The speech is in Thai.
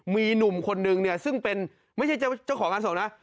มีหนุ่มคนนึงเนี่ยซึ่งเป็นไม่ใช่เจ้าของงานส่งนะ